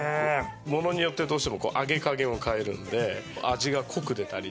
ものによってどうしても揚げ加減を変えるので味が濃く出たりね